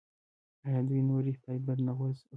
آیا دوی نوري فایبر نه غځوي؟